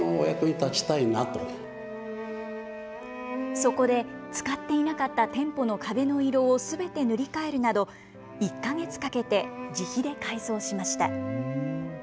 そこで使っていなかった店舗の壁の色をすべて塗り替えるなど１か月かけて自費で改装しました。